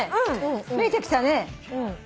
見えてきたね。